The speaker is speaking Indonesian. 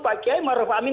pak kiai maruf amin